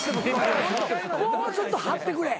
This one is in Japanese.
もうちょっと張ってくれ。